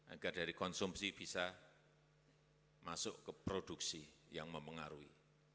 agar dari konsumsi bisa masuk ke produksi yang memengaruhi